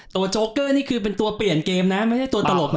โจ๊กเกอร์นี่คือเป็นตัวเปลี่ยนเกมนะไม่ใช่ตัวตลกนะ